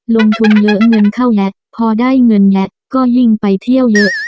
ลงทุนเยอะเงินเข้าและพอได้เงินแล้วก็ยิ่งไปเที่ยวเยอะ